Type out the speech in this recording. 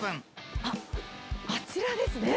あっ、あちらですね。